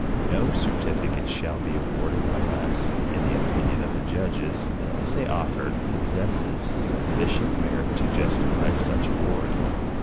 No certificate shall be awarded unless, in the opinion of the judges, the essay offered possesses sufficient merit to justify such award.